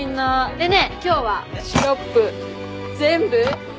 でね今日はシロップ全部かけ放題！